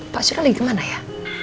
pak sur lagi kemana ya